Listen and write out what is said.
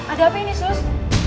ada apa ini sus